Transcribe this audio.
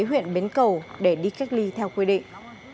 huyện bến cầu để đi cách ly theo quy định